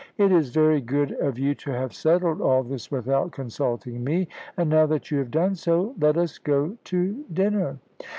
"It is very good of you to have settled all this without consulting me. And now that you have done so, let us go to dinner."